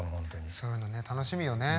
そういうのね楽しみよね。